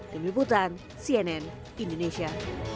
demi butan cnn indonesia